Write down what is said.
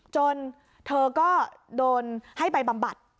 จนเธอก็โดนให้ไปบำบัด